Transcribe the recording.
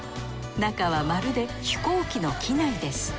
中はまるで飛行機の機内です。